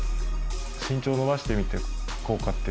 身長を伸ばしてみて効果って。